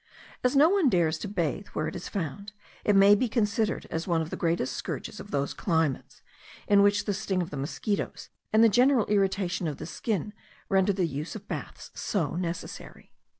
As no one dares to bathe where it is found, it may be considered as one of the greatest scourges of those climates, in which the sting of the mosquitos and the general irritation of the skin render the use of baths so necessary.